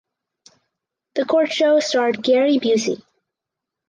The court show starred Gary Busey.